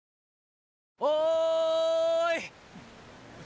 おい！